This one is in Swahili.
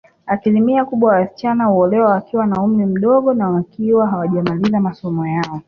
Asilimia kubwa ya wasichana huolewa wakiwa na umri mdogo na wakiwa hawajamaliza masomo yao